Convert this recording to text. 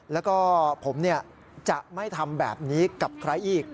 แล้วก็ผมจะไม่ทำแบบนี้กับใครอีก